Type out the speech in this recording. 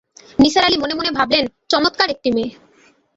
নিসার আলি মনে-মনে ভাবলেন, চমৎকার একটি মেয়ে!